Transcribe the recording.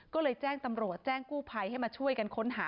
ก็เลยแจ้งตำรวจแจ้งกู้ภัยให้มาช่วยกันค้นหา